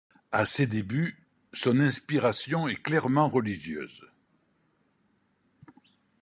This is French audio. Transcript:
À ses débuts, son inspiration est clairement religieuse.